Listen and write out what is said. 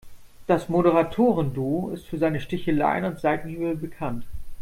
Das Moderatoren-Duo ist für seine Sticheleien und Seitenhiebe bekannt.